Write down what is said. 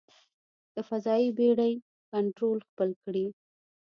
د فضايي بېړۍ کنټرول خپل کړي.